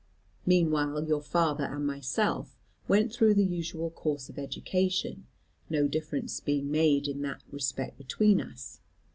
Meanwhile your father and myself went through the usual course of education, no difference being made in that respect between us.